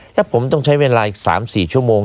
แล้วผมต้องใช้เวลาอีก๓๔ชั่วโมง